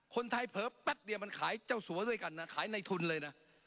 คนไทยเผลอแป๊บเดียวมันขายเจ้าสัวด้วยกันนะขายในทุนเลยนะ